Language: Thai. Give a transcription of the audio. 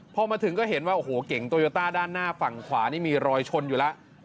พอมาถึงก็เห็นว่าโอ้โหเก่งโตโยต้าด้านหน้าฝั่งขวานี่มีรอยชนอยู่แล้ว